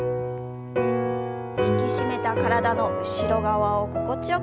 引き締めた体の後ろ側を心地よく伸ばします。